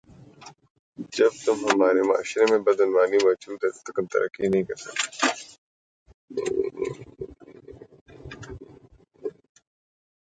جب تم ہمارے معاشرے میں بدعنوانی موجود ہے ہم ترقی نہیں کرسکتے